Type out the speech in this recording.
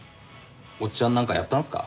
おっちゃんなんかやったんすか？